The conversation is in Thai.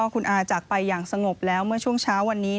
คุณอาจากไปอย่างสงบแล้วเมื่อช่วงเช้าวันนี้